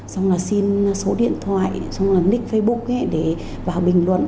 xong là xin số điện thoại xong là nick facebook để vào bình luận